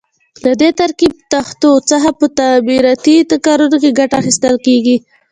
له دې ترکیبي تختو څخه په تعمیراتي کارونو کې ګټه اخیستل کېږي.